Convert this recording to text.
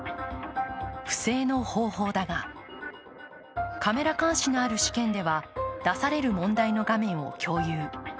不正の方法だが、カメラ監視のある試験では出される問題の画面を共有。